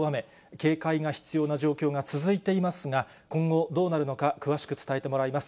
警戒が必要な状況が続いていますが、今後、どうなるのか、詳しく伝えてもらいます。